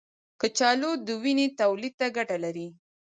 کچالو د وینې تولید ته ګټه لري.